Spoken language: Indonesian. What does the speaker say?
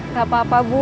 gak apa apa bu